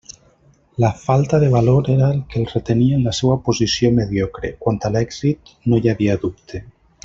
La falta de valor era el que el retenia en la seua posició mediocre; quant a l'èxit, no hi havia dubte.